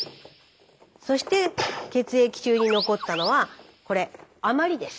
そして血液中に残ったのはこれ余りです。